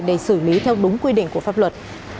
để xử lý theo đúng quy định của pháp luật